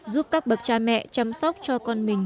giúp các bậc cha mẹ chăm sóc cho con mình